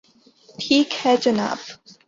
ٹھیک ہے جناب